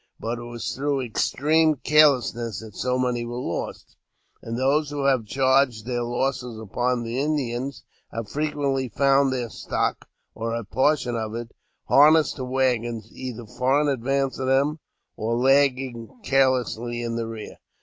But it was through extreme carelessness that so many were lost ; and those who have charged their losses upon the Indians have frequently found their stock, or a portion of it, harnessed to waggons either far in advance of them, or lagging carelessly in their rear.